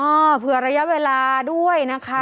เผื่อระยะเวลาด้วยนะคะ